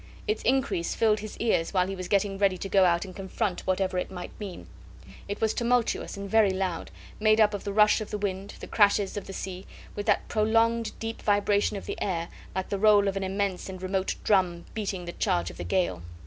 Its increase filled his ears while he was getting ready to go out and confront whatever it might mean. It was tumultuous and very loud made up of the rush of the wind, the crashes of the sea, with that prolonged deep vibration of the air, like the roll of an immense and remote drum beating the charge of the gale.